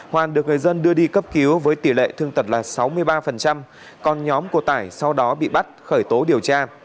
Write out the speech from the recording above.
hoàn được người dân đưa đi cấp cứu với tỷ lệ thương tật là sáu mươi ba còn nhóm của tải sau đó bị bắt khởi tố điều tra